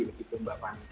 begitu mbak fanny